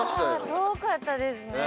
遠かったですね。